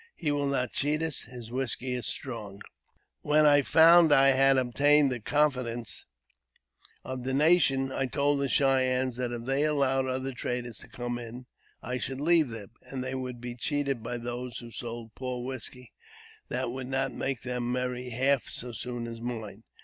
He will not cheat us. His whisky is strong." When I found I had obtained the confidence of the nation, I told the Cheyennes that if they allowed other traders to come in, I should leave them, and they would be cheated by those who sold poor whisky, that would not make them merry half so soon as mine.